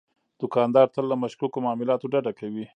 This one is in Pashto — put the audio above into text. دوکاندار تل له مشکوکو معاملاتو ډډه کوي.